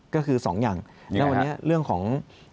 ก็คือสองอย่างแล้ววันนี้เรื่องของ